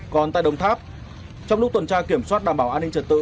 còn tại đồng tháp trong lúc tuần tra kiểm soát đảm bảo an ninh trật tự